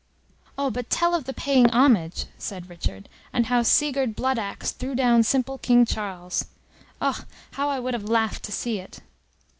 "Oh, but tell of the paying homage!" said Richard; "and how Sigurd Bloodaxe threw down simple King Charles! Ah! how would I have laughed to see it!"